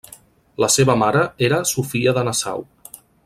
La seva mare era Sofia de Nassau.